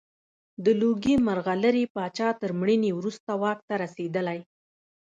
د لوګي مرغلرې پاچا تر مړینې وروسته واک ته رسېدلی.